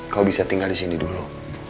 kau bisa tinggal disini dulu